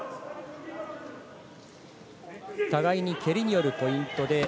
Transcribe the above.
互いに蹴りによるポイントで。